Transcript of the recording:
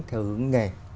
theo hướng nghề